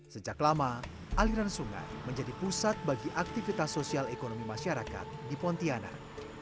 sejak lama aliran sungai menjadi pusat bagi aktivitas sosial ekonomi masyarakat di pontianak